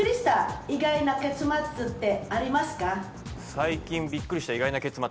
最近びっくりした意外な結末。